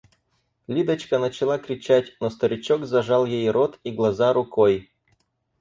Лидочка начала кричать, но старичок зажал ей рот и глаза рукой.